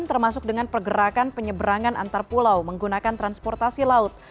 termasuk dengan pergerakan penyeberangan antar pulau menggunakan transportasi laut